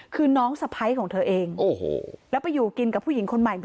คือน้องสะพ้ายของเธอเองโอ้โหแล้วไปอยู่กินกับผู้หญิงคนใหม่